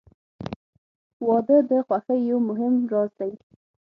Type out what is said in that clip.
• واده د خوښۍ یو مهم راز دی.